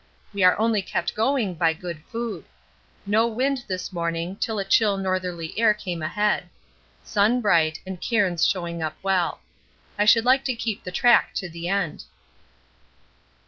We are only kept going by good food. No wind this morning till a chill northerly air came ahead. Sun bright and cairns showing up well. I should like to keep the track to the end.